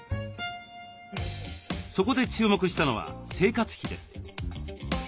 そこで注目したのは生活費です。